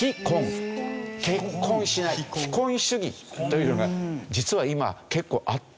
結婚しない非婚主義というのが実は今結構あってですね。